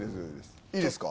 いいですか？